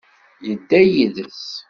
Tedda yid-s.